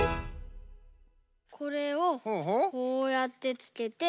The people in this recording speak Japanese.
これをこうやってつけて。